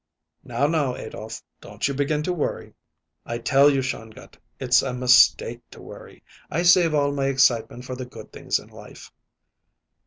"Now, now, Adolph, don't you begin to worry." "I tell you, Shongut, it's a mistake to worry. I save all my excitement for the good things in life."